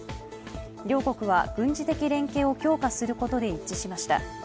両国は軍事的連携を強化することで一致しました。